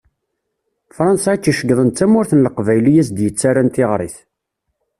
Fransa i tt-ceggḍen d tamurt n Leqbayel i as-d-yettaran tiɣrit.